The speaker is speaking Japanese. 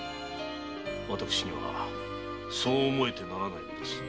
私にはそう思えてならないのです。